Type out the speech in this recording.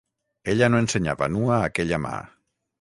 Ella no ensenyava nua aquella mà.